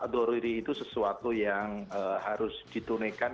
doruri itu sesuatu yang harus ditunikan